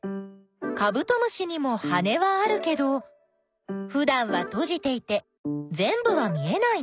カブトムシにも羽はあるけどふだんはとじていてぜんぶは見えないね。